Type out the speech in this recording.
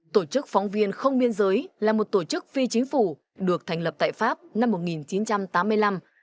tổ chức phóng viên không biên giới là một tổ chức phi chính phủ được thành lập tại pháp năm một nghìn chín trăm tám mươi năm